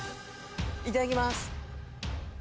いただきます。